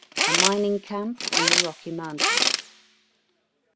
A MINING CAMP IN THE ROCKY MOUNTAINS.